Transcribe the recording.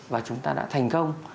và chúng ta đã thành công